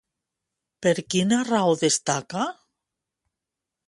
Per quina raó destaca?